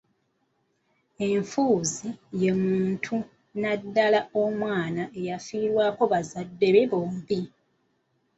Enfuuzi ye muntu naddala omwana eyafiirwa abazadde bombi.